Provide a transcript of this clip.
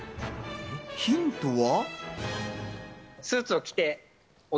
ヒントは。